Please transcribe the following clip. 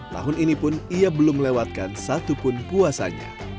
tahun ini pun ia belum melewatkan satupun puasanya